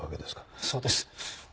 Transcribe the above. そうです。